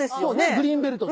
グリーンベルト。